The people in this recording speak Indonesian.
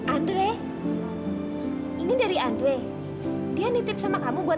andre ini dari andre dia nitip sama kamu buat